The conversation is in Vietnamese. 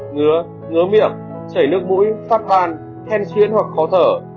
ngứa ngứa miệng chảy nước mũi phát ban hen chuyến hoặc khó thở